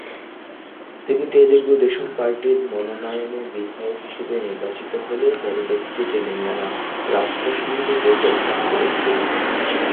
তিনি তেলুগু দেশম পার্টির মনোনয়নে বিধায়ক হিসেবে নির্বাচিত হলেও পরবর্তীতে তেলেঙ্গানা রাষ্ট্র সমিতিতে যোগদান করেছিলেন।